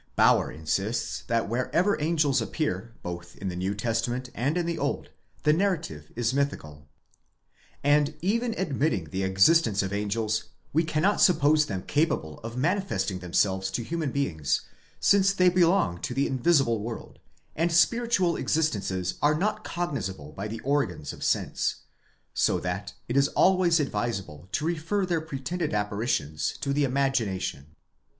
Bauer insists that wherever angels appear, both in the New Testament and in the Old, the narrative is mythical.14 Even admitting the existence of angels, we cannot suppose them capable of manifesting themselves to human beings, since they belong to the invisible world, and spiritual existences are not cognizable by the organs of sense; so that it is always advisable to refer their pretended apparitions to the imagination.!